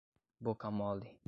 Boca-mole